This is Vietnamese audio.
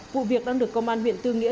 vụ việc đang được công an huyện tương nghĩa